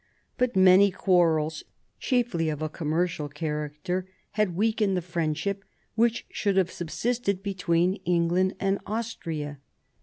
But many quarrels, chiefly of a commercial character, had weakened the friendship which should have subsisted between England and Austria.